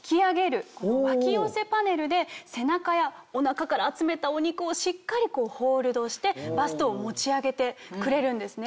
この脇寄せパネルで背中やおなかから集めたお肉をしっかりホールドしてバストを持ち上げてくれるんですね。